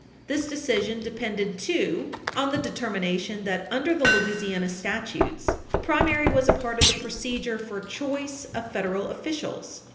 This decision depended, too, on the determination that, under the Louisiana statutes, the primary was a part of the procedure for choice of Federal officials.